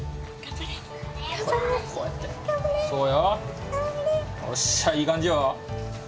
おっしゃいい感じよ！